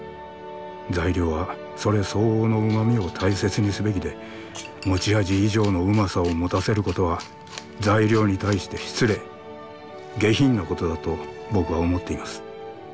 材料はそれ相応の旨みを大切にすべきで持ち味以上の旨さを持たせることは材料に対して失礼下品なことだと僕は思っています。